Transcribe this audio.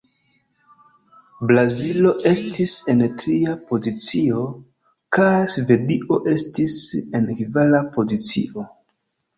Brazilo estis en tria pozicio, kaj Svedio estis en kvara pozicio.